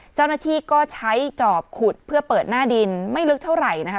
เจ้าหน้าที่ก็ใช้จอบขุดเพื่อเปิดหน้าดินไม่ลึกเท่าไหร่นะคะ